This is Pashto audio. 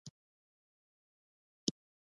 د غوږ د غږونو لپاره باید څه شی وکاروم؟